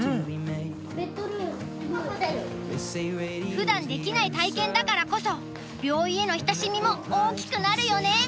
ふだんできない体験だからこそ病院への親しみも大きくなるよね。